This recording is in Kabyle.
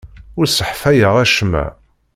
Ur sseḥfayeɣ acemma.